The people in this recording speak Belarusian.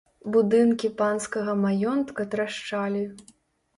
Будынкі панскага маёнтка трашчалі.